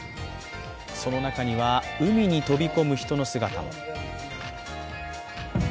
その中には海に飛び込む人の姿も。